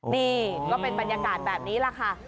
นี่ก็เป็นบรรยากาศแบบนี้แหละค่ะ